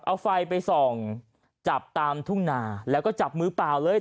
เอาไฟไปส่องจับตามทุ่งนาแล้วก็จับมือเปล่าเลย